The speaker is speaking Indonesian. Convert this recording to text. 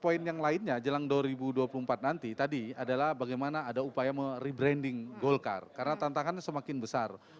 poin yang lainnya jelang dua ribu dua puluh empat nanti tadi adalah bagaimana ada upaya merebranding golkar karena tantangannya semakin besar